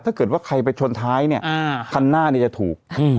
ถ้าเกิดว่าใครไปชนท้ายเนี่ยคันหน้าเนี่ยจะถูก